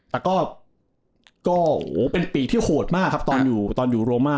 แต่ก็โอ้โหเป็นปีกที่โหดมากครับตอนอยู่ตอนอยู่โรมา